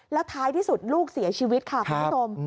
แล้วท้ายที่สุดลูกเสียชีวิตค่ะคุณผู้ชม